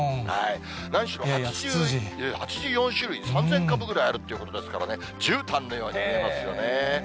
何しろ、８４種類３０００株ぐらいあるということですからね、じゅうたんのように見えますよね。